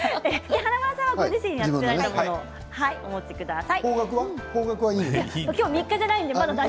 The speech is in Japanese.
華丸さんはご自身が作ったものをお持ちください。